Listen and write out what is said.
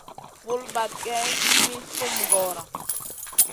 Vul bahd geyn mi sum gurona.